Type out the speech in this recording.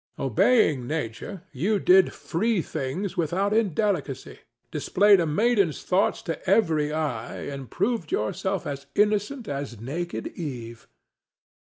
Obeying Nature, you did free things without indelicacy, displayed a maiden's thoughts to every eye, and proved yourself as innocent as naked Eve.